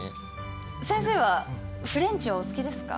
先生はフレンチはお好きですか？